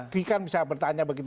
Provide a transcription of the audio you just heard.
gimana bisa bertanya begitu